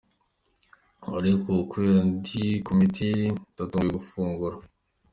Ariko ubu kubera ndi ku miti ndatanguye gufungura.